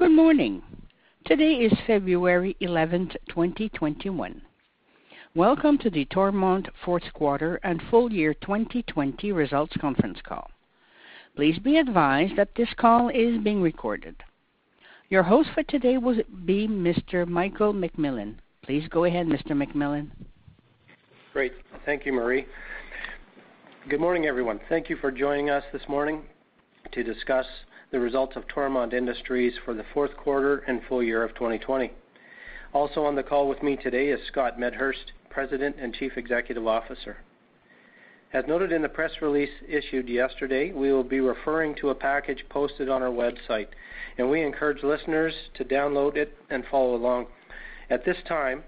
Good morning. Today is February 11th, 2021. Welcome to the Toromont Q4 and Full Year 2020 Results Conference Call. Please be advised that this call is being recorded. Your host for today will be Mr. Michael McMillan. Please go ahead, Mr. McMillan. Great. Thank you, Marie. Good morning, everyone. Thank you for joining us this morning to discuss the results of Toromont Industries for the Q4 and full year of 2020. Also on the call with me today is Scott Medhurst, President and Chief Executive Officer. As noted in the press release issued yesterday, we will be referring to a package posted on our website, and we encourage listeners to download it and follow along. At this time,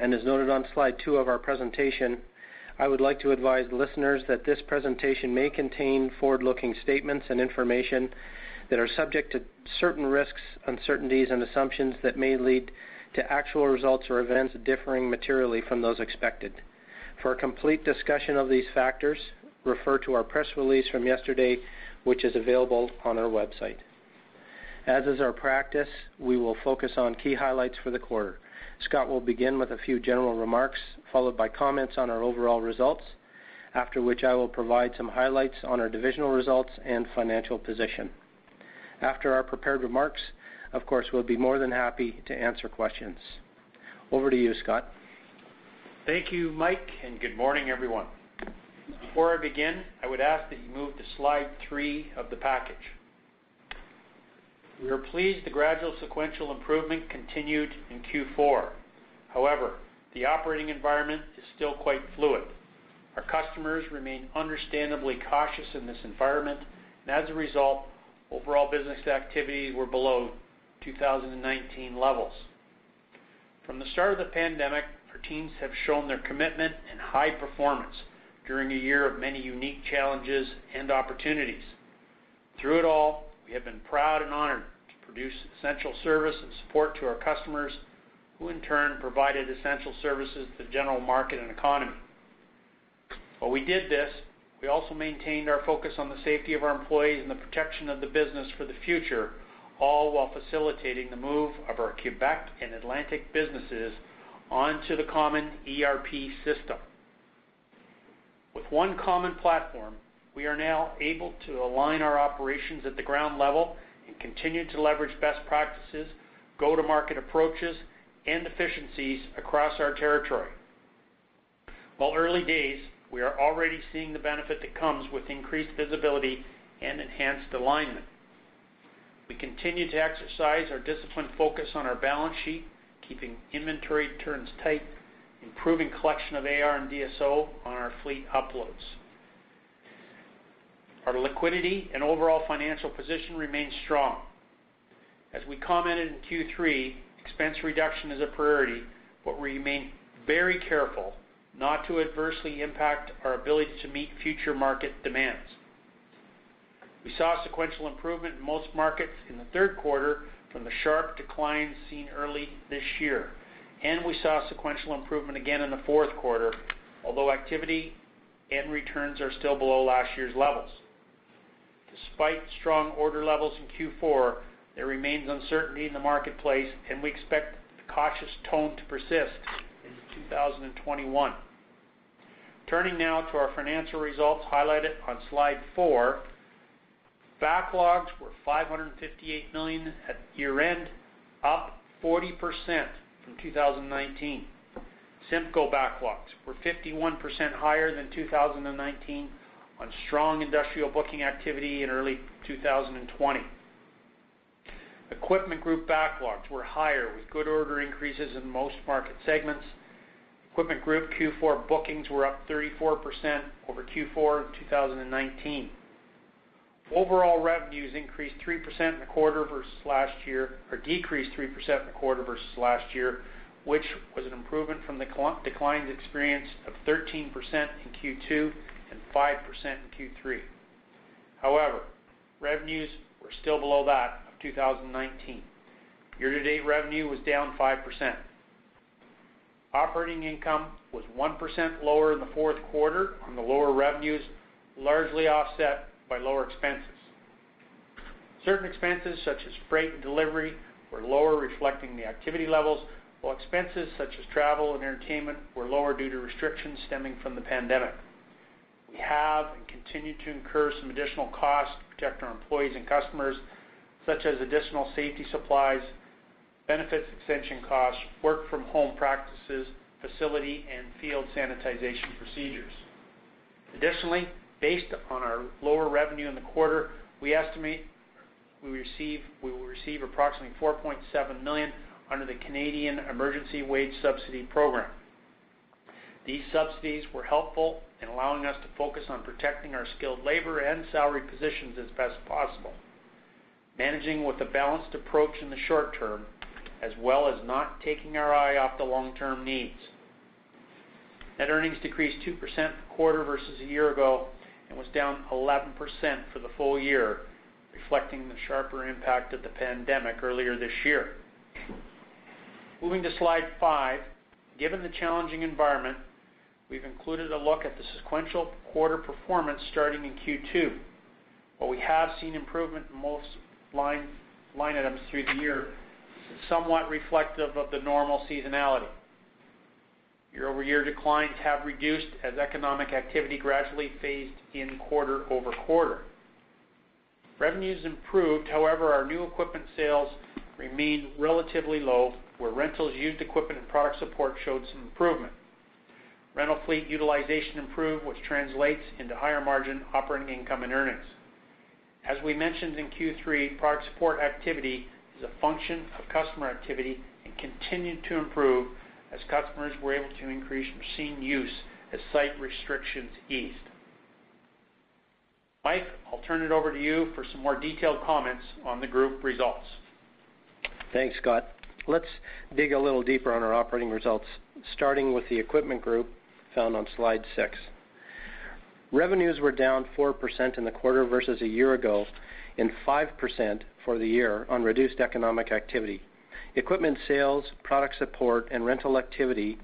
and as noted on slide two of our presentation, I would like to advise listeners that this presentation may contain forward-looking statements and information that are subject to certain risks, uncertainties, and assumptions that may lead to actual results or events differing materially from those expected. For a complete discussion of these factors, refer to our press release from yesterday, which is available on our website. As is our practice, we will focus on key highlights for the quarter. Scott will begin with a few general remarks, followed by comments on our overall results, after which I will provide some highlights on our divisional results and financial position. After our prepared remarks, of course, we'll be more than happy to answer questions. Over to you, Scott. Thank you, Mike. Good morning, everyone. Before I begin, I would ask that you move to slide three of the package. We are pleased the gradual sequential improvement continued in Q4. However, the operating environment is still quite fluid. Our customers remain understandably cautious in this environment, and as a result, overall business activities were below 2019 levels. From the start of the pandemic, our teams have shown their commitment and high performance during a year of many unique challenges and opportunities. Through it all, we have been proud and honored to produce essential service and support to our customers, who in turn provided essential services to the general market and economy. While we did this, we also maintained our focus on the safety of our employees and the protection of the business for the future, all while facilitating the move of our Quebec and Atlantic businesses onto the common ERP system. With one common platform, we are now able to align our operations at the ground level and continue to leverage best practices, go-to-market approaches, and efficiencies across our territory. While early days, we are already seeing the benefit that comes with increased visibility and enhanced alignment. We continue to exercise our disciplined focus on our balance sheet, keeping inventory turns tight, improving collection of AR and DSO on our fleet uploads. Our liquidity and overall financial position remains strong. As we commented in Q3, expense reduction is a priority, but we remain very careful not to adversely impact our ability to meet future market demands. We saw sequential improvement in most markets in the third quarter from the sharp declines seen early this year, and we saw sequential improvement again in the Q4, although activity and returns are still below last year's levels. Despite strong order levels in Q4, there remains uncertainty in the marketplace, and we expect the cautious tone to persist into 2021. Turning now to our financial results highlighted on slide four, backlogs were 558 million at year-end, up 40% from 2019. CIMCO backlogs were 51% higher than 2019 on strong industrial booking activity in early 2020. Equipment Group backlogs were higher, with good order increases in most market segments. Equipment Group Q4 bookings were up 34% over Q4 of 2019. Overall revenues decreased 3% in the quarter versus last year, which was an improvement from the declines experienced of 13% in Q2 and 5% in Q3. Revenues were still below that of 2019. Year-to-date revenue was down 5%. Operating income was 1% lower in the Q4 on the lower revenues, largely offset by lower expenses. Certain expenses such as freight and delivery were lower, reflecting the activity levels, while expenses such as travel and entertainment were lower due to restrictions stemming from the pandemic. We have and continue to incur some additional costs to protect our employees and customers, such as additional safety supplies, benefits extension costs, work-from-home practices, facility and field sanitization procedures. Based upon our lower revenue in the quarter, we estimate we will receive approximately 4.7 million under the Canada Emergency Wage Subsidy program. These subsidies were helpful in allowing us to focus on protecting our skilled labor and salary positions as best possible, managing with a balanced approach in the short term, as well as not taking our eye off the long-term needs. Net earnings decreased 2% for the quarter versus a year ago and was down 11% for the full year, reflecting the sharper impact of the pandemic earlier this year. Moving to slide five. Given the challenging environment, we've included a look at the sequential quarter performance starting in Q2. While we have seen improvement in most line items through the year, this is somewhat reflective of the normal seasonality. Year-over-year declines have reduced as economic activity gradually phased in quarter-over-quarter. Revenues improved, however, our new equipment sales remained relatively low, where rentals, used equipment, and product support showed some improvement. Rental fleet utilization improved, which translates into higher margin operating income and earnings. As we mentioned in Q3, product support activity is a function of customer activity and continued to improve as customers were able to increase machine use as site restrictions eased. Mike, I'll turn it over to you for some more detailed comments on the Group results. Thanks, Scott. Let's dig a little deeper on our operating results, starting with the Equipment Group found on slide six. Revenues were down 4% in the quarter versus a year ago, and 5% for the year on reduced economic activity. Equipment sales, product support, and rental activity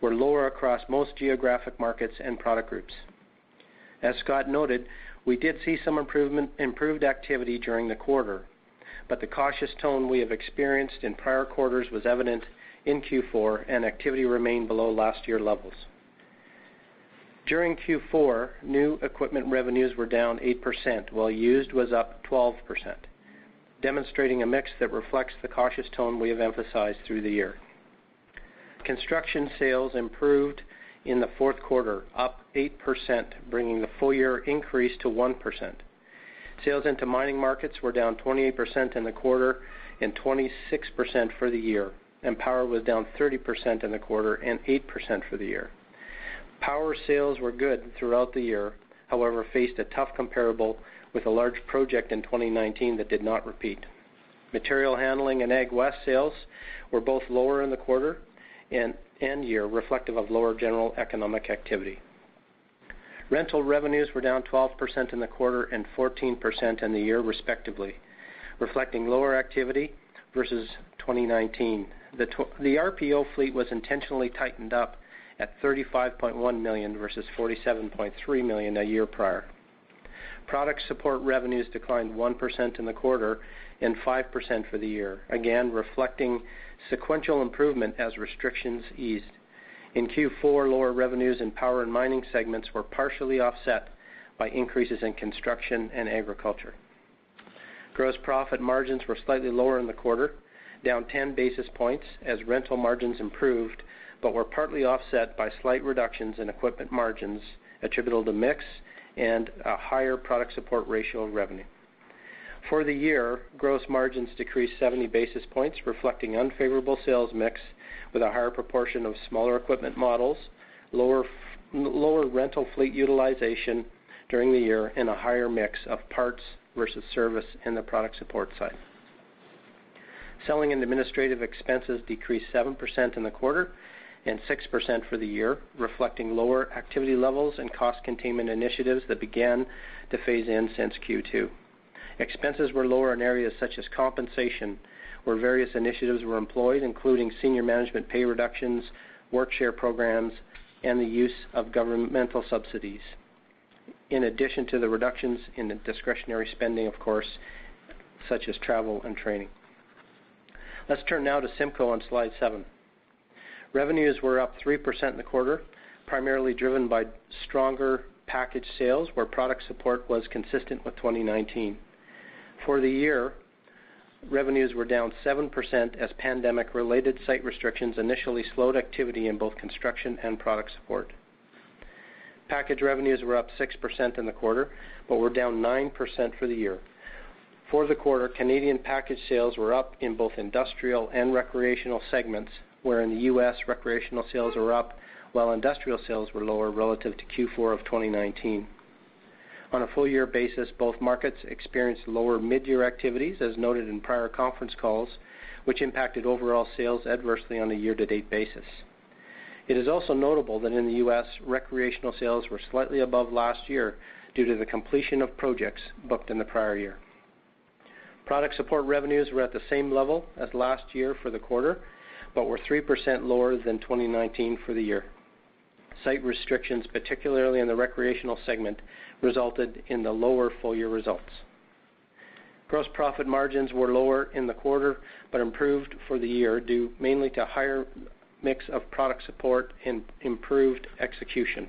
were lower across most geographic markets and product groups. As Scott noted, we did see some improved activity during the quarter, but the cautious tone we have experienced in prior quarters was evident in Q4, and activity remained below last year levels. During Q4, new equipment revenues were down 8%, while used was up 12%, demonstrating a mix that reflects the cautious tone we have emphasized through the year. Construction sales improved in Q4, up 8%, bringing the full-year increase to 1%. Sales into mining markets were down 28% in the quarter and 26% for the year. Power was down 30% in the quarter and 8% for the year. Power sales were good throughout the year, however faced a tough comparable with a large project in 2019 that did not repeat. Material handling and AgWest sales were both lower in the quarter and in the year, reflective of lower general economic activity. Rental revenues were down 12% in the quarter and 14% in the year respectively, reflecting lower activity versus 2019. The RPO fleet was intentionally tightened up at 35.1 million versus 47.3 million a year prior. Product support revenues declined 1% in the quarter and 5% for the year, again reflecting sequential improvement as restrictions eased. In Q4, lower revenues in power and mining segments were partially offset by increases in construction and agriculture. Gross profit margins were slightly lower in the quarter, down 10 basis points as rental margins improved, but were partly offset by slight reductions in equipment margins attributable to mix and a higher product support ratio of revenue. For the year, gross margins decreased 70 basis points, reflecting unfavorable sales mix with a higher proportion of smaller equipment models, lower rental fleet utilization during the year, and a higher mix of parts versus service in the product support side. Selling and administrative expenses decreased 7% in the quarter and 6% for the year, reflecting lower activity levels and cost containment initiatives that began to phase in since Q2. Expenses were lower in areas such as compensation, where various initiatives were employed, including senior management pay reductions, work share programs, and the use of governmental subsidies, in addition to the reductions in the discretionary spending, of course, such as travel and training. Let's turn now to CIMCO on slide seven. Revenues were up 3% in the quarter, primarily driven by stronger package sales where product support was consistent with 2019. For the year, revenues were down 7% as pandemic related site restrictions initially slowed activity in both construction and product support. Package revenues were up 6% in the quarter, but were down 9% for the year. For the quarter, Canadian package sales were up in both industrial and recreational segments, where in the U.S., recreational sales were up while industrial sales were lower relative to Q4 of 2019. On a full year basis, both markets experienced lower mid-year activities, as noted in prior conference calls, which impacted overall sales adversely on a year-to-date basis. It is also notable that in the U.S., recreational sales were slightly above last year due to the completion of projects booked in the prior year. Product support revenues were at the same level as last year for the quarter, but were 3% lower than 2019 for the year. Site restrictions, particularly in the recreational segment, resulted in the lower full year results. Gross profit margins were lower in the quarter but improved for the year, due mainly to higher mix of product support and improved execution.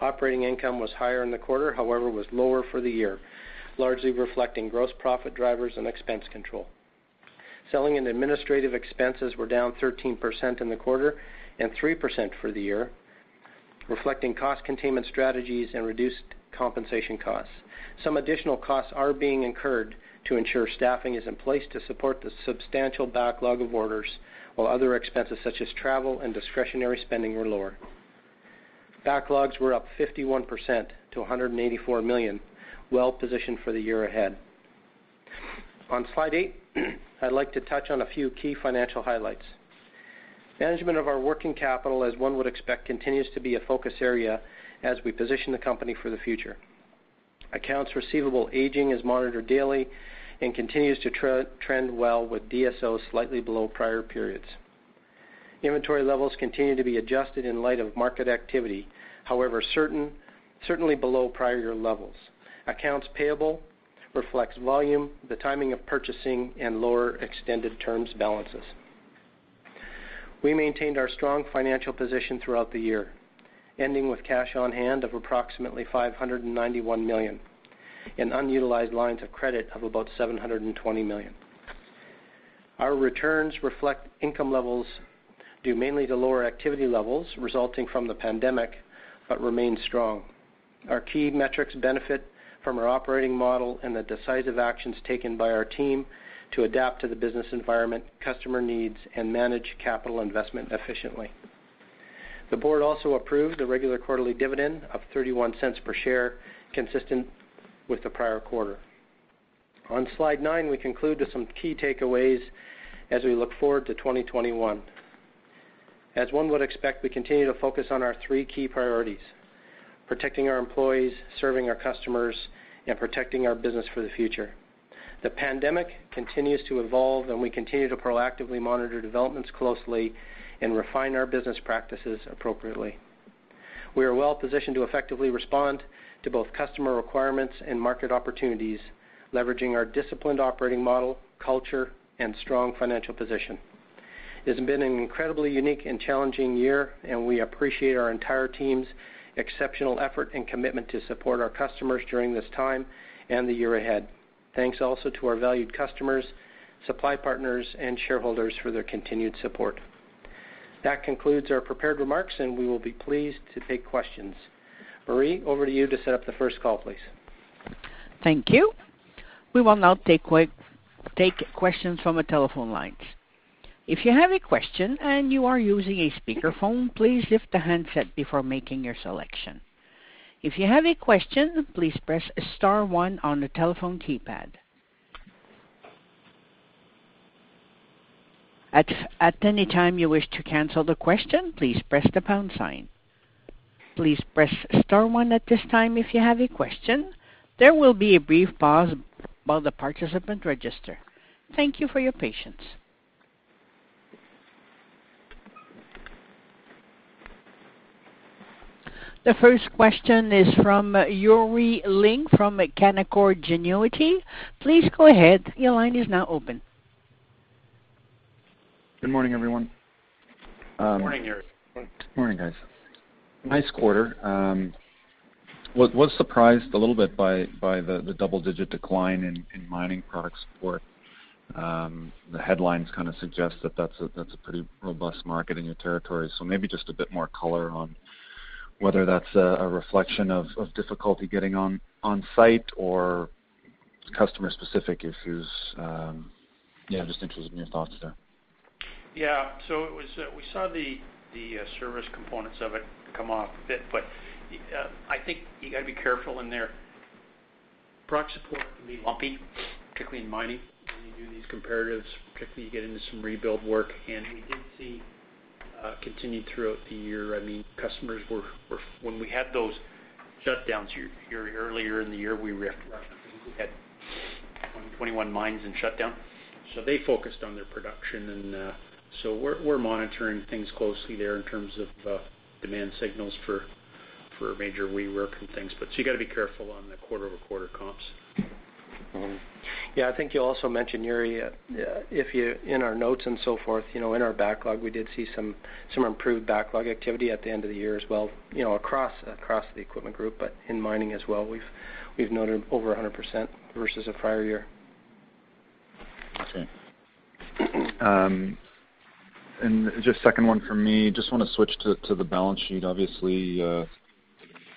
Operating income was higher in the quarter, however, was lower for the year, largely reflecting gross profit drivers and expense control. Selling and administrative expenses were down 13% in the quarter and 3% for the year, reflecting cost containment strategies and reduced compensation costs. Some additional costs are being incurred to ensure staffing is in place to support the substantial backlog of orders, while other expenses such as travel and discretionary spending were lower. Backlogs were up 51% to 184 million, well positioned for the year ahead. On slide eight, I'd like to touch on a few key financial highlights. Management of our working capital, as one would expect, continues to be a focus area as we position the company for the future. Accounts receivable aging is monitored daily and continues to trend well with DSO slightly below prior periods. Inventory levels continue to be adjusted in light of market activity. However, certainly below prior year levels. Accounts payable reflects volume, the timing of purchasing, and lower extended terms balances. We maintained our strong financial position throughout the year, ending with cash on hand of approximately 591 million and unutilized lines of credit of about 720 million. Our returns reflect income levels due mainly to lower activity levels resulting from the pandemic, but remain strong. Our key metrics benefit from our operating model and the decisive actions taken by our team to adapt to the business environment, customer needs, and manage capital investment efficiently. The board also approved a regular quarterly dividend of 0.31 per share, consistent with the prior quarter. On slide nine, we conclude with some key takeaways as we look forward to 2021. As one would expect, we continue to focus on our three key priorities, protecting our employees, serving our customers, and protecting our business for the future. The pandemic continues to evolve, and we continue to proactively monitor developments closely and refine our business practices appropriately. We are well positioned to effectively respond to both customer requirements and market opportunities, leveraging our disciplined operating model, culture, and strong financial position. It's been an incredibly unique and challenging year, and we appreciate our entire team's exceptional effort and commitment to support our customers during this time and the year ahead. Thanks also to our valued customers, supply partners, and shareholders for their continued support. That concludes our prepared remarks, and we will be pleased to take questions. Marie, over to you to set up the first call, please. Thank you. We will now take questions from the telephone lines. If you have a question and you are using a speakerphone, please lift the handset before making your selection. If you have a question, please press star one on the telephone keypad. At any time you wish to cancel the question, please press the pound sign. Please press star one at this time if you have a question. There will be a brief pause while the participant register. Thank you for your patience. The first question is from Yuri Lynk from Canaccord Genuity. Please go ahead. Your line is now open. Good morning, everyone. Good morning, Yuri. Good morning, guys. Nice quarter. Was surprised a little bit by the double-digit decline in mining product support. The headlines kind of suggest that that's a pretty robust market in your territory. Maybe just a bit more color on whether that's a reflection of difficulty getting on site or customer-specific issues. Yeah, just interested in your thoughts there. Yeah. We saw the service components of it come off a bit, I think you got to be careful in there. Product support can be lumpy, particularly in mining when you do these comparatives, particularly you get into some rebuild work. We did see continued throughout the year. Customers, when we had those shutdowns here earlier in the year, we referenced I think we had 121 mines in shutdown. They focused on their production we're monitoring things closely there in terms of demand signals for major rework and things. You got to be careful on the quarter-over-quarter comps. Yeah, I think you also mentioned, Yuri, in our notes and so forth, in our backlog, we did see some improved backlog activity at the end of the year as well, across the Equipment Group, but in mining as well, we've noted over 100% versus the prior year. Okay. Just second one for me, just want to switch to the balance sheet, obviously,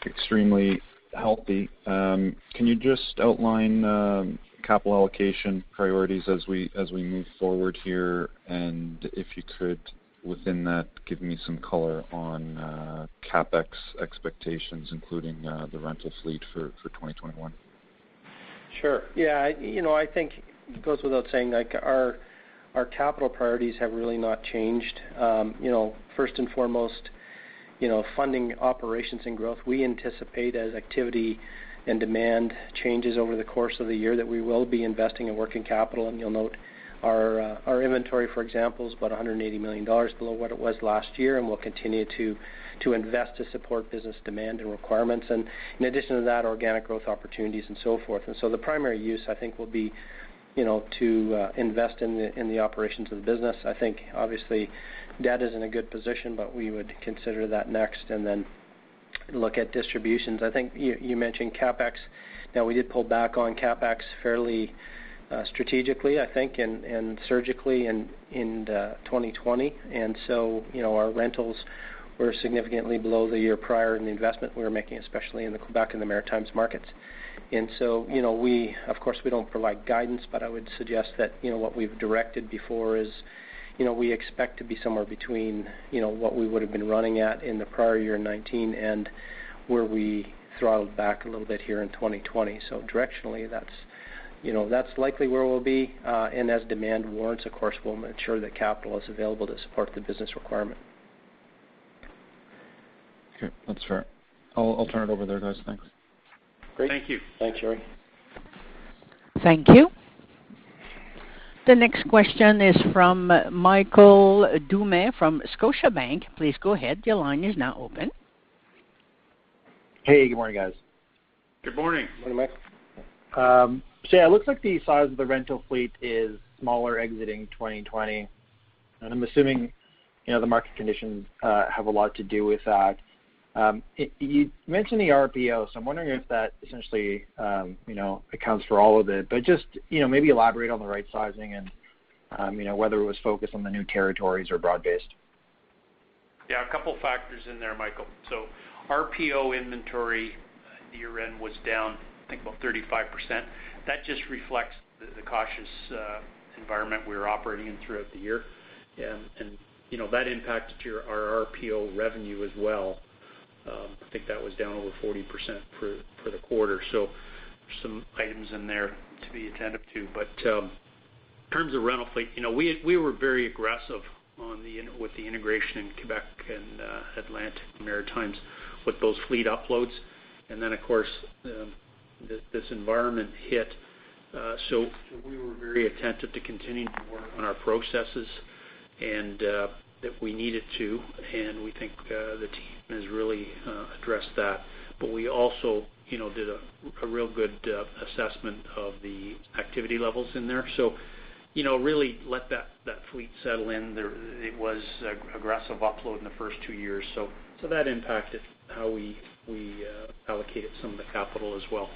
extremely healthy. Can you just outline capital allocation priorities as we move forward here? If you could, within that, give me some color on CapEx expectations, including the rental fleet for 2021. Sure. Yeah. I think it goes without saying, our capital priorities have really not changed. First and foremost, funding operations and growth. We anticipate as activity and demand changes over the course of the year that we will be investing in working capital. You'll note our inventory, for example, is about 180 million dollars below what it was last year, and we'll continue to invest to support business demand and requirements. In addition to that, organic growth opportunities and so forth. The primary use, I think will be to invest in the operations of the business. I think obviously debt is in a good position, but we would consider that next and then look at distributions. I think you mentioned CapEx. Now, we did pull back on CapEx fairly strategically, I think, and surgically in 2020. Our rentals were significantly below the year prior in the investment we were making, especially in the Quebec and the Maritimes markets. Of course, we don't provide guidance, but I would suggest that what we've directed before is we expect to be somewhere between what we would've been running at in the prior year 2019 and where we throttled back a little bit here in 2020. Directionally that's likely where we'll be. As demand warrants, of course, we'll ensure that capital is available to support the business requirement. Okay, that's fair. I'll turn it over there, guys. Thanks. Great. Thank you. Thanks, Yuri. Thank you. The next question is from Michael Doumet from Scotiabank. Please go ahead. Your line is now open. Hey, good morning, guys. Good morning. Morning, Mike. Yeah, it looks like the size of the rental fleet is smaller exiting 2020, I'm assuming the market conditions have a lot to do with that. You mentioned the RPO, I'm wondering if that essentially accounts for all of it, just maybe elaborate on the right sizing and whether it was focused on the new territories or broad-based. A couple factors in there, Michael. RPO inventory year-end was down, I think, about 35%. That just reflects the cautious environment we were operating in throughout the year. That impacted our RPO revenue as well. I think that was down over 40% for the quarter. There's some items in there to be attentive to. In terms of rental fleet, we were very aggressive with the integration in Quebec and Atlantic Maritimes with those fleet uploads. Then, of course, this environment hit, so we were very attentive to continuing to work on our processes, and if we needed to, and we think the team has really addressed that, but we also did a real good assessment of the activity levels in there. Really let that fleet settle in. It was aggressive upload in the first two years. That impacted how we allocated some of the capital as well.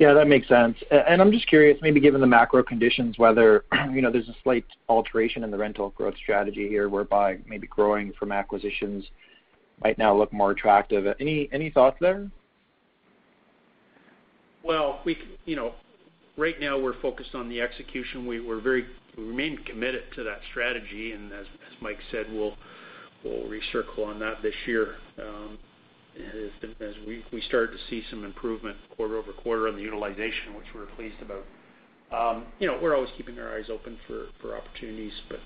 Yeah, that makes sense. I'm just curious, maybe given the macro conditions, whether there's a slight alteration in the rental growth strategy here, whereby maybe growing from acquisitions might now look more attractive. Any thoughts there? Well, right now we're focused on the execution. We remain committed to that strategy, and as Mike said, we'll recircle on that this year, as we start to see some improvement quarter-over-quarter on the utilization, which we're pleased about. We're always keeping our eyes open for opportunities, but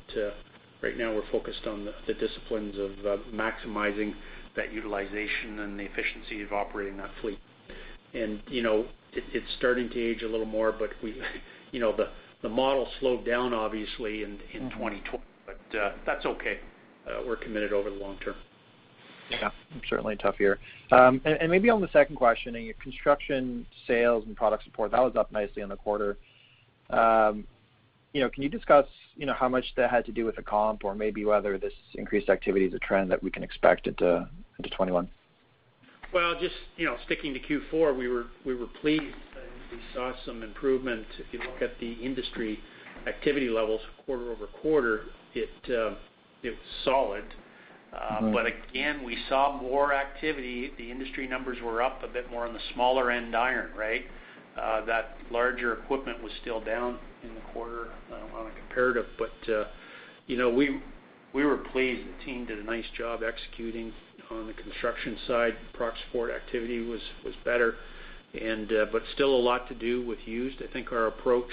right now we're focused on the disciplines of maximizing that utilization and the efficiency of operating that fleet. It's starting to age a little more, but the model slowed down obviously in 2020. That's okay. We're committed over the long term. Yeah, certainly tough year. Maybe on the second question, your construction sales and product support, that was up nicely on the quarter. Can you discuss how much that had to do with the comp or maybe whether this increased activity is a trend that we can expect into 2021? Well, just sticking to Q4, we were pleased. We saw some improvement. If you look at the industry activity levels quarter-over-quarter, it was solid. Again, we saw more activity. The industry numbers were up a bit more on the smaller end iron, right? That larger equipment was still down in the quarter on a comparative. We were pleased. The team did a nice job executing on the construction side. Product support activity was better. Still a lot to do with used. I think our approach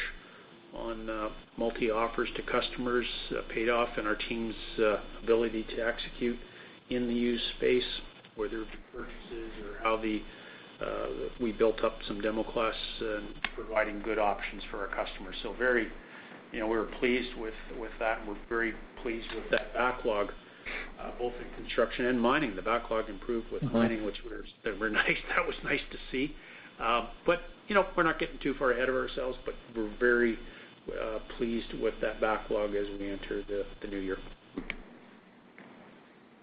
on multi offers to customers paid off and our team's ability to execute in the used space, whether it be purchases or how we built up some demo class and providing good options for our customers. We were pleased with that, and we're very pleased with that backlog, both in construction and mining. The backlog improved with mining, that was nice to see. We're not getting too far ahead of ourselves, but we're very pleased with that backlog as we enter the new year.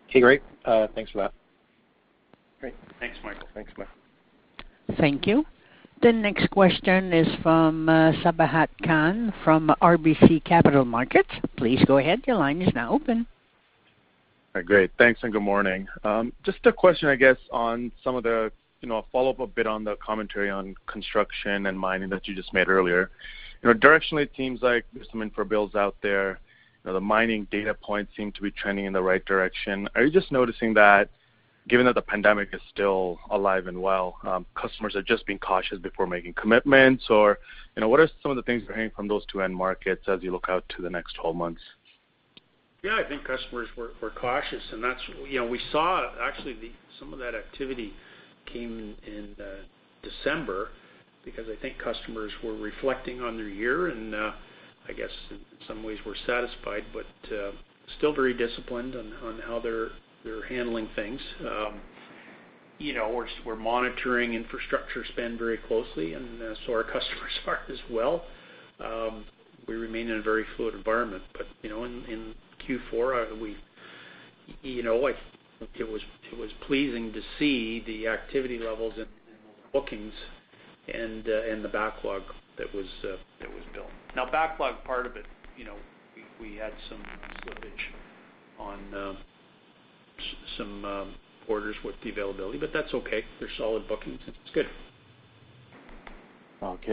Okay, great. Thanks for that. Great. Thanks, Michael. Thanks, Michael. Thank you. The next question is from Sabahat Khan from RBC Capital Markets. Please go ahead. Your line is now open. Great. Thanks, and good morning. Just a question, I guess, a follow-up a bit on the commentary on construction and mining that you just made earlier. Directionally, it seems like there's some info bills out there. The mining data points seem to be trending in the right direction. Are you just noticing that given that the pandemic is still alive and well, customers are just being cautious before making commitments, or what are some of the things you're hearing from those two end markets as you look out to the next 12 months? Yeah, I think customers were cautious, we saw actually some of that activity came in December because I think customers were reflecting on their year, I guess in some ways were satisfied, still very disciplined on how they're handling things. We're monitoring infrastructure spend very closely, our customers are as well. We remain in a very fluid environment, in Q4, it was pleasing to see the activity levels in bookings and the backlog that was built. Now, backlog, part of it we had some slippage on some orders with the availability, that's okay. They're solid bookings. It's good. Okay.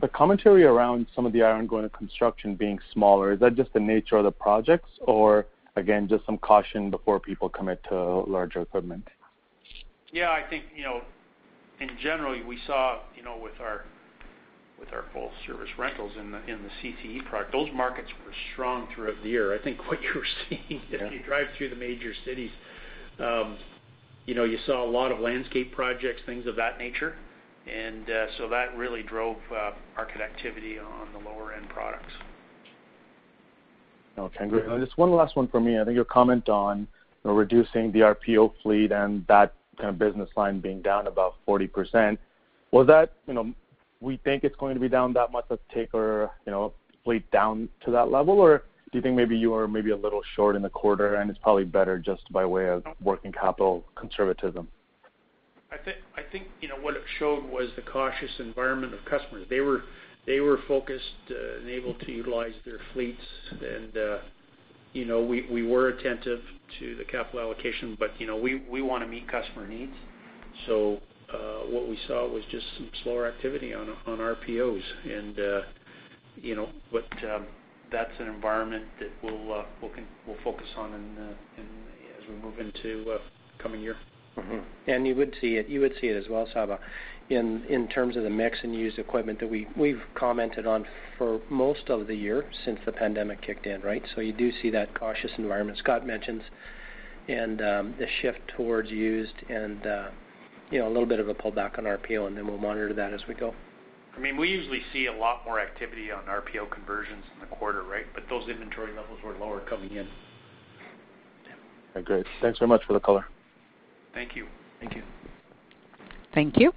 The commentary around some of the iron going to construction being smaller, is that just the nature of the projects, or again, just some caution before people commit to larger equipment? I think in general, we saw with our full service rentals in the CCE product. Those markets were strong throughout the year. I think what you're seeing if you drive through the major cities, you saw a lot of landscape projects, things of that nature. That really drove our connectivity on the lower end products. Okay, great. Just one last one for me. I think your comment on reducing the RPO fleet and that kind of business line being down about 40%, was that, we think it's going to be down that much, let's taper fleet down to that level? Do you think maybe you are maybe a little short in the quarter, and it's probably better just by way of working capital conservatism? I think what it showed was the cautious environment of customers. They were focused and able to utilize their fleets and we were attentive to the capital allocation, but we want to meet customer needs. What we saw was just some slower activity on RPOs, but that's an environment that we'll focus on as we move into coming year. You would see it as well, Saba, in terms of the mix in used equipment that we've commented on for most of the year since the pandemic kicked in, right? You do see that cautious environment Scott mentions and the shift towards used and a little bit of a pullback on RPO, and then we'll monitor that as we go. We usually see a lot more activity on RPO conversions in the quarter, right? Those inventory levels were lower coming in. Yeah. Great. Thanks so much for the color. Thank you. Thank you. Thank you.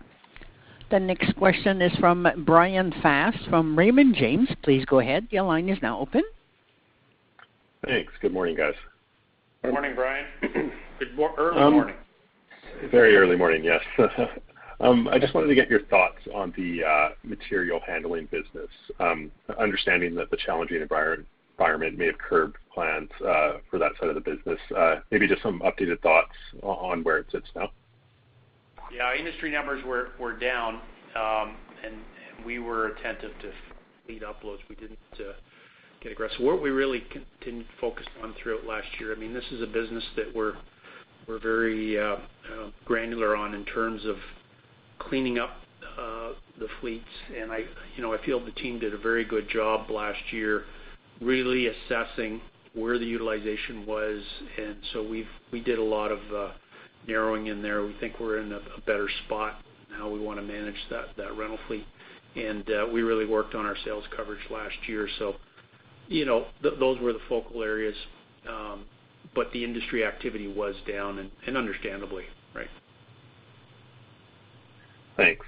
The next question is from Bryan Fast from Raymond James. Please go ahead. Your line is now open. Thanks. Good morning, guys. Good morning, Bryan. Early morning. Very early morning, yes. I just wanted to get your thoughts on the material handling business, understanding that the challenging environment may have curbed plans for that side of the business. Maybe just some updated thoughts on where it sits now. Yeah. Industry numbers were down. We were attentive to fleet uploads. We didn't get aggressive. What we really continued to focus on throughout last year, this is a business that we're very granular on in terms of cleaning up the fleets. I feel the team did a very good job last year really assessing where the utilization was. We did a lot of narrowing in there. We think we're in a better spot in how we want to manage that rental fleet. We really worked on our sales coverage last year. Those were the focal areas. The industry activity was down and understandably, right? Thanks.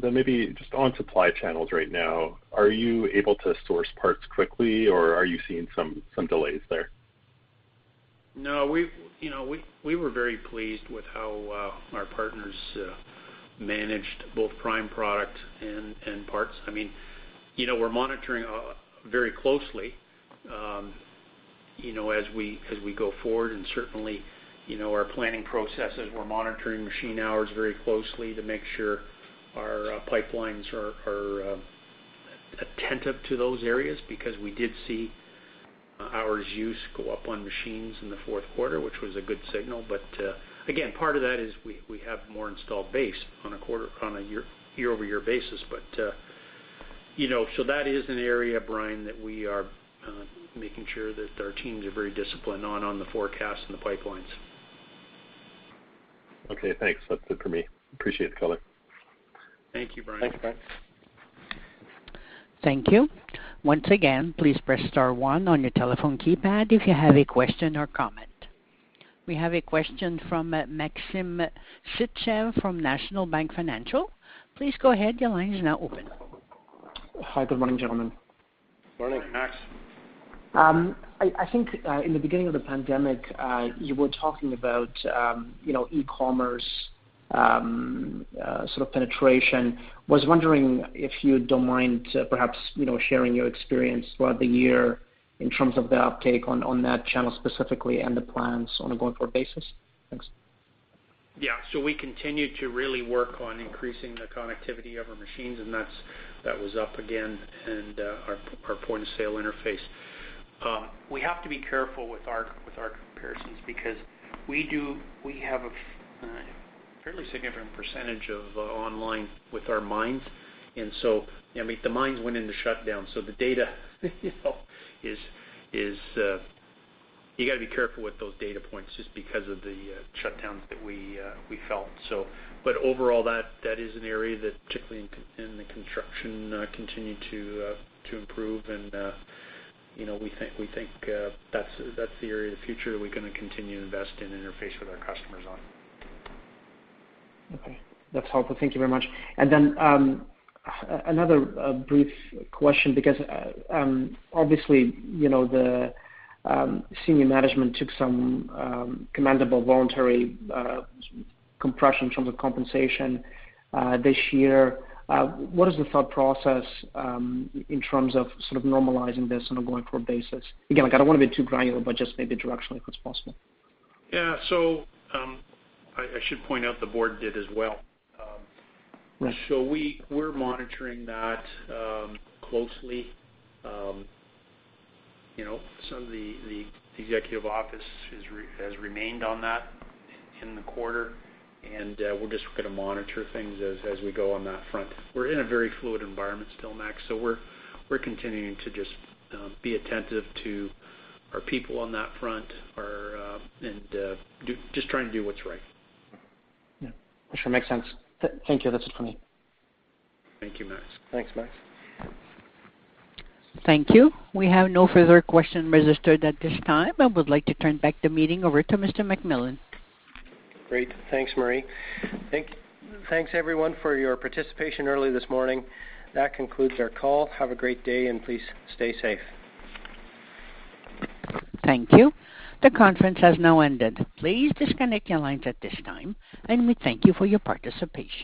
Maybe just on supply channels right now, are you able to source parts quickly or are you seeing some delays there? No. We were very pleased with how our partners managed both prime product and parts. We're monitoring very closely as we go forward, and certainly our planning processes, we're monitoring machine hours very closely to make sure our pipelines are attentive to those areas because we did see hours use go up on machines in Q4, which was a good signal. Again, part of that is we have more installed base on a year-over-year basis. That is an area, Bryan, that we are making sure that our teams are very disciplined on the forecast and the pipelines. Okay, thanks. That's it for me. Appreciate the color. Thank you, Bryan. Thanks, Bryan. Thank you. Once again, please press star one on your telephone keypad if you have a question or comment. We have a question from Maxim Sytchev from National Bank Financial. Please go ahead. Your line is now open. Hi. Good morning, gentlemen. Morning, Max. I think, in the beginning of the pandemic, you were talking about e-commerce sort of penetration. Was wondering if you don't mind perhaps sharing your experience throughout the year in terms of the uptake on that channel specifically and the plans on a going-forward basis. Thanks. Yeah. We continued to really work on increasing the connectivity of our machines, and that was up again and our point-of-sale interface. We have to be careful with our comparisons because we have a fairly significant percentage of online with our mines, and so, the mines went into shutdown, so the data is, You got to be careful with those data points just because of the shutdowns that we felt. Overall, that is an area that, particularly in the construction, continued to improve and we think that's the area of the future we're going to continue to invest in interface with our customers on. Okay. That's helpful. Thank you very much. Another brief question because, obviously, the senior management took some commendable voluntary compression in terms of compensation this year. What is the thought process, in terms of sort of normalizing this on a going-forward basis? Again, I don't want to be too granular, but just maybe directionally, if it's possible. Yeah. I should point out the board did as well. Right. We're monitoring that closely. The executive office has remained on that in the quarter, and we're just going to monitor things as we go on that front. We're in a very fluid environment still, Max. We're continuing to just be attentive to our people on that front and just trying to do what's right. Yeah. For sure. Makes sense. Thank you. That's it for me. Thank you, Max. Thanks, Max. Thank you. We have no further question registered at this time. I would like to turn back the meeting over to Mr. McMillan. Great. Thanks, Marie. Thanks everyone for your participation early this morning. That concludes our call. Have a great day, and please stay safe. Thank you. The conference has now ended. Please disconnect your lines at this time, and we thank you for your participation.